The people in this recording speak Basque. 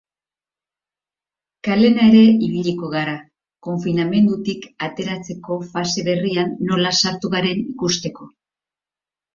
Kalena ere ibiliko gara, konfinamendutik atreatzeko fase berrian nola sartu garen ikusteko.